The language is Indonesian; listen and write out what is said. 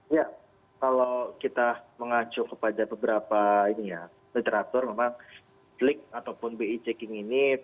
ya kalau kita mengacu kepada beberapa literatur memang slik ataupun bi checking ini